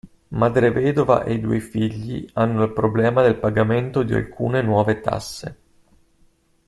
Madre vedova e i due figli hanno il problema del pagamento di alcune nuove tasse.